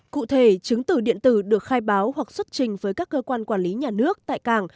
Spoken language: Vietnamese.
cụ thể chứng từ điện tử được khai báo hoặc xuất trình với các cơ quan quản lý nhà nước tại cảng